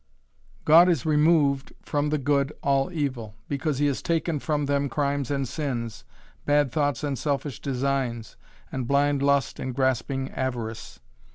God has removed from the good all evil: because he has taken from them crimes and sins, bad thoughts and selfish designs and blind lust and grasping avarice.